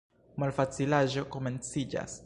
Malfacilaĵo komenciĝas.